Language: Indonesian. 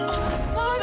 mama tolong maafin dia